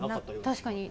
確かに。